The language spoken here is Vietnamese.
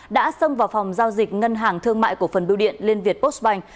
đã xâm vào phòng giao dịch ngân hàng thương mại của phần biêu điện liên việt postbank